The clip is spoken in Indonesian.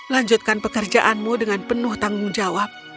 lanjutkan pekerjaanmu dengan penuh tanggung jawab